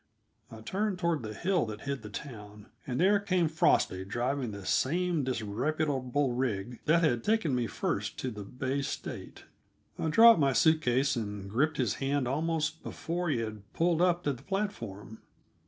I turned toward the hill that hid the town, and there came Frosty driving the same disreputable rig that had taken me first to the Bay State. I dropped my suit case and gripped his hand almost before he had pulled up at the platform.